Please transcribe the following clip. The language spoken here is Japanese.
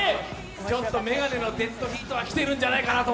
ちょっとめがねのデッドヒートはきてるんじゃないかと。